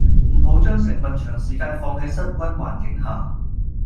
唔好將食物長時間放喺室溫環境下